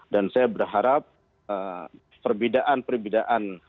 dan saya berharap perbedaan perbedaan